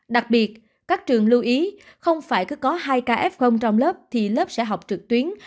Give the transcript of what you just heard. đặc biệt các trường lưu ý không phải cứ có hai ca f trong lớp thì lớp sẽ học trực tuyến